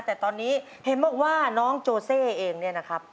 แต่ตอนนี้เห็นบอกว่าน้องโจเซเองเนี่ยนะครับ